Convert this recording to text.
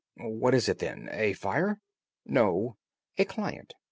"What is it, then—a fire?" "No; a client.